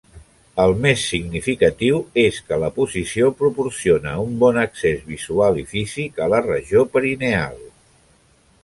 El més significatiu és que la posició proporciona un bon accés visual i físic a la regió perineal.